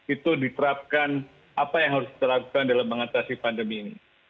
itu diterapkan apa yang harus kita lakukan dalam mengatasi pandemi ini